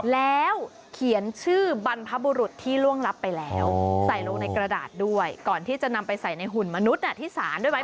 แล้วเขียนชื่อบรรพบุรุษที่ล่วงลับไปแล้วใส่ลงในกระดาษด้วยก่อนที่จะนำไปใส่ในหุ่นมนุษย์ที่สารด้วยไหม